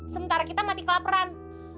sementara kita mati kelaperan